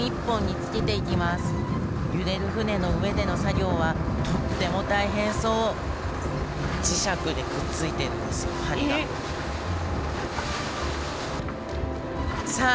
揺れる船の上での作業はとっても大変そう磁石でくっついてるんですよ針が。えっ？さあ